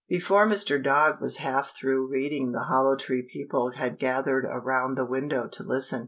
Before Mr. Dog was half through reading the Hollow Tree people had gathered around the window to listen.